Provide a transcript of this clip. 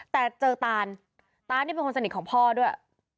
แต่เจอตานตานนี่เป็นคนสนิทของพ่อด้วย